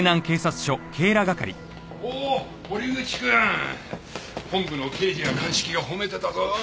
おっ堀口くん。本部の刑事や鑑識が褒めてたぞ。